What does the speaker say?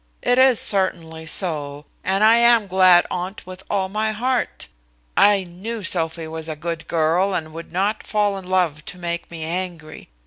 It is certainly so, and I am glad on't with all my heart. I knew Sophy was a good girl, and would not fall in love to make me angry.